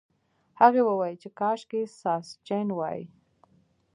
هغې وویل چې کاشکې ساسچن وای.